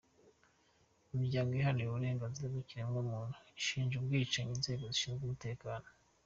Imiryango iharanira uburenganzira bw'ikiremwa muntu ishinja ubwicanyi inzengo zishinzwe umutekano.